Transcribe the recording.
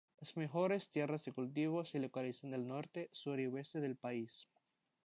Las mejores tierras de cultivo se localizan al norte, sur y oeste del país.